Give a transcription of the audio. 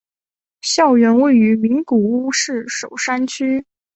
校园位于名古屋市守山区。